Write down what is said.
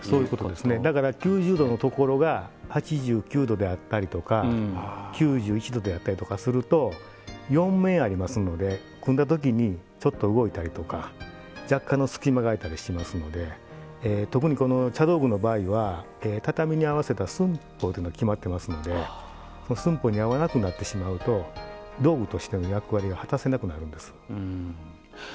だから９０度のところが８９度であったり９１度であったりとかすると４面ありますので組んだときにちょっと動いたりとか若干の隙間が開いたりしますので特に、茶道具の場合は畳に合わせた寸法というのが決まっていますので寸法に合わなくなってしまうと道具としての役割が果たせなくなるんです。